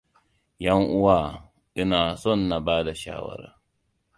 Ƴan uwa, ina son na bada shawara.